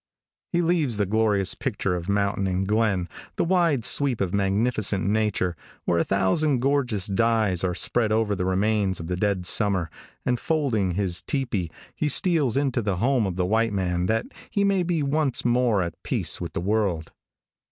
He leaves the glorious picture of mountain and glen; the wide sweep of magnificent nature, where a thousand gorgeous dyes are spread over the remains of the dead summer, and folding his tepee, he steals into the home of the white man that he may be once more at peace with the world.